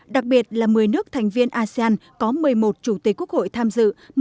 đặc biệt là một mươi nước thành viên asean có một mươi một chủ tịch quốc hội tham dự